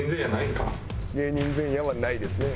「芸人前夜」はないですね。